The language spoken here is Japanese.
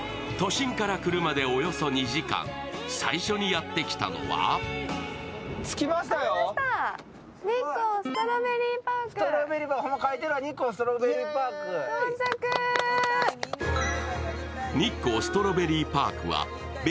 都心から車でおよそ２時間、最初にやってきたのは日光ストロベリーパーク、到着。